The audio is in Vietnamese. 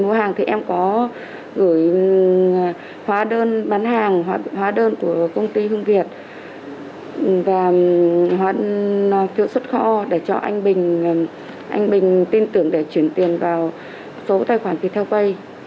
trang đã gửi hóa đơn bán hàng hóa đơn của công ty hương việt và hóa tiêu xuất kho để cho anh bình tin tưởng để chuyển tiền vào số tài khoản kỳ theo vây